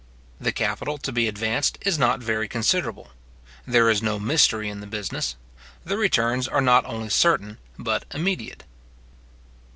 The capital to be advanced is not very considerable. There is no mystery in the business. The returns are not only certain but immediate.